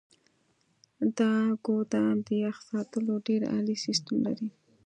دا ګودام د يخ ساتلو ډیر عالي سیستم لري.